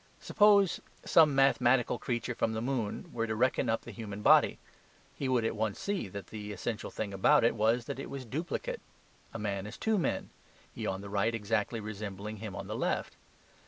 Suppose some mathematical creature from the moon were to reckon up the human body; he would at once see that the essential thing about it was that it was duplicate. A man is two men, he on the right exactly resembling him on the left.